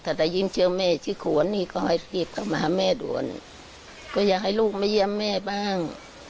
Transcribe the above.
ถ้าได้ยินชื่อแม่ชื่อขวนนี่ก็ให้รีบกลับมาหาแม่ด่วนก็อยากให้ลูกมาเยี่ยมแม่บ้าง